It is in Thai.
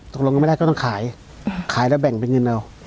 ตกลงกันไม่ได้ก็ต้องขายขายแล้วแบ่งเป็นเงินเอา